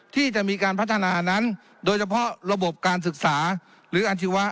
ที่จะมีการพัฒนานั้นโดยเฉพาะระบบการศึกษาหรืออาชีวะ